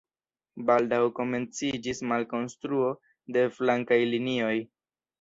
Baldaŭ komenciĝis malkonstruo de flankaj linioj.